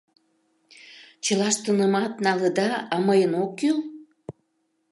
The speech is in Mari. Чылаштынымат налыда, а мыйын ок кӱл?